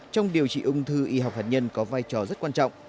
trong điều trị ung thư y học hạt nhân có vai trò rất quan trọng